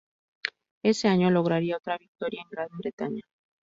Ese año lograría otra victoria en Gran Bretaña.